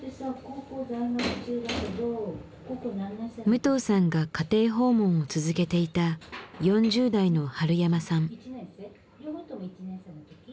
武藤さんが家庭訪問を続けていた４０代の春山さん。